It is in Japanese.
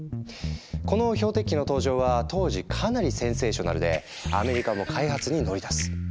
この標的機の登場は当時かなりセンセーショナルでアメリカも開発に乗り出す。